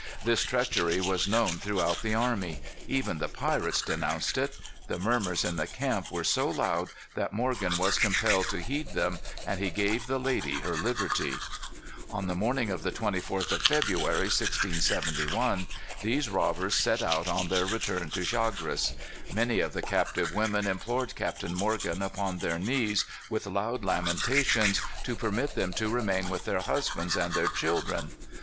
This treachery was known throughout the army. Even the pirates denounced it. The murmurs in the camp were so loud, that Morgan was compelled to heed them, and he gave the lady her liberty. On the morning of the 24th of February, 1671, these robbers set out on their return to Chagres. Many of the captive women implored Captain Morgan, upon their knees, with loud lamentations, to permit them to remain with their husbands and their children.